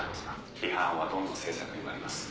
「批判はどんな政策にもあります」